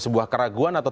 sebuah keraguan atau